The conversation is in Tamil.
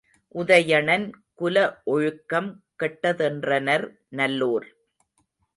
உதயணன் குல ஒழுக்கம் கெட்டதென்றனர் நல்லோர்.